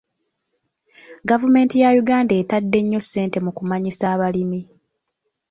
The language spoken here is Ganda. Gavumenti ya Uganda etadde nnyo ssente mu kumanyisa abalimi.